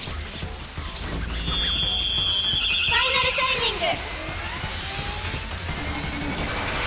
ファイナルシャイニング！